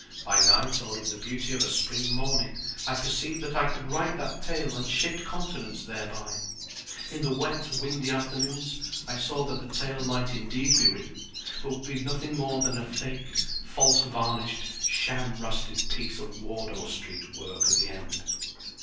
By night or in the beauty of a spring morning I perceived that I could write that tale and shift continents thereby. In the wet, windy afternoons, I saw that the tale might indeed be written, but would be nothing more than a faked, false varnished, sham rusted piece of Wardour Street work at the end.